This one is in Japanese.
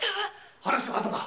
話はあとだ。